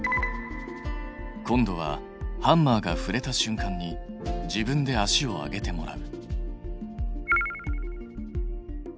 今度はハンマーがふれたしゅんかんに自分で足を上げてもらう。